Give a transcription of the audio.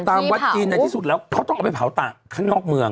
วัดจีนในที่สุดแล้วเขาต้องเอาไปเผาตากข้างนอกเมือง